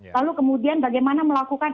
lalu kemudian bagaimana melakukan